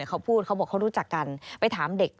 เขาพูดเขารู้จักกันไปถามเด็ก